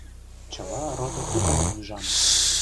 Чыла родо-тукымым ӱжам.